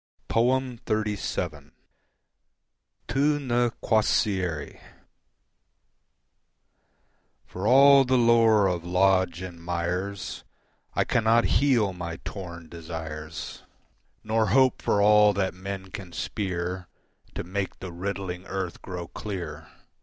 XXXVII. Tu Ne Quaesieris For all the lore of Lodge and Myers I cannot heal my torn desires, Nor hope for all that man can speer To make the riddling earth grow clear.